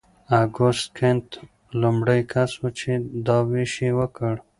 اګوست کنت لومړی کس و چې دا ویش یې وکړ.